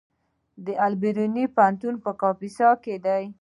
د البیروني پوهنتون په کاپیسا کې دی